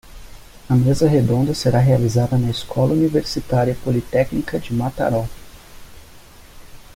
A mesa redonda será realizada na Escola Universitária Politécnica de Mataró.